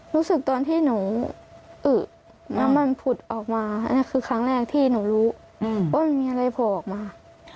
รู้สึกตอนที่หนูอึน้ำมันผุดออกมาอันนี้คือครั้งแรกที่หนูรู้ว่ามันมีอะไรโผล่ออกมา